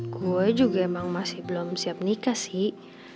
gue juga emang masih belum siap nikah sih